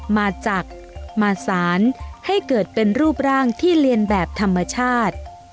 มาจากมาสารให้เกิดเป็นรูปร่างที่เรียนแบบธรรมชาติ